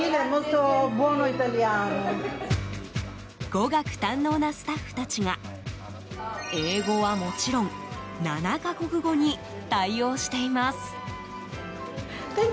語学堪能なスタッフたちが英語はもちろん７か国語に対応しています。